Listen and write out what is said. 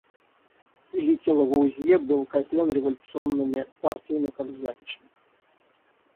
Великий Лавуазье был казнен революционными партиями как взяточник.